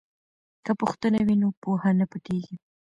که پوښتنه وي نو پوهه نه پټیږي.